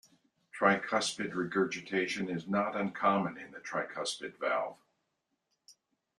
Tricuspid regurgitation is not uncommon in the tricuspid valve.